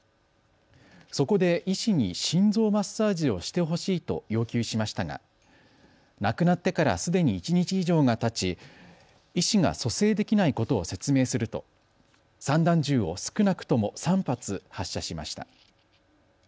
そこで医師に心臓マッサージをしてほしいと要求しましたが、亡くなってからすでに１日以上がたち医師が蘇生できないことを説明すると散弾銃を少なくとも３発、発射しました。